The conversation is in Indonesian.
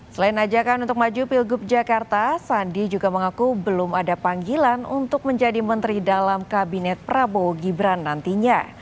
selain ajakan untuk maju pilgub jakarta sandi juga mengaku belum ada panggilan untuk menjadi menteri dalam kabinet prabowo gibran nantinya